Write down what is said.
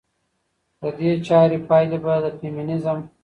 د دې چارې پايلې به د فيمينزم